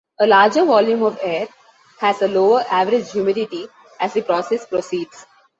A larger volume of air has a lower average humidity as the process proceeds.